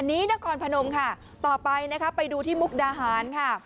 นครพนมค่ะต่อไปนะคะไปดูที่มุกดาหารค่ะ